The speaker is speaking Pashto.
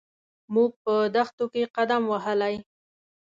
موږ په دښتو کې قدم وهلی.